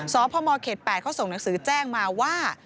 สพมเขต๘เขาส่งหนังสือแจ้งมาว่า